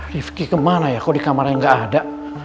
riefky kemana ya kok di kamar yang gak ada